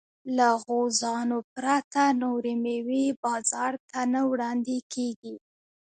له غوزانو پرته نورې مېوې بازار ته نه وړاندې کېږي.